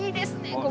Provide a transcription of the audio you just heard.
ここ。